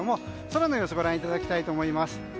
空の様子をご覧いただきたいと思います。